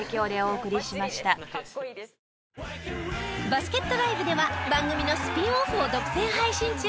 バスケットＬＩＶＥでは番組のスピンオフを独占配信中！